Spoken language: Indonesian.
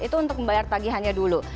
itu untuk membayar tagihannya dulu